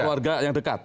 keluarga yang dekat